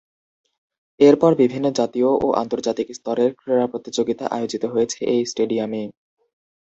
এর পর বিভিন্ন জাতীয় ও আন্তর্জাতিক স্তরের ক্রীড়া প্রতিযোগিতা আয়োজিত হয়েছে এই স্টেডিয়ামে।